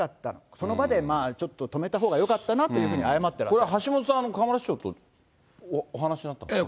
その場でちょっと止めたほうがよかったなというふうに謝ってらっこれは橋下さん、河村市長とお話になったんですよね？